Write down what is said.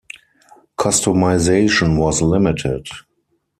Customization was limited.